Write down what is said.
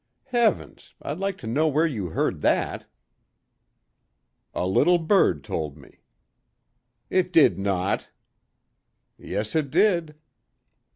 Heavens, I'd like to know where you heard that." "A little bird told me." "It did not." "Yes it did."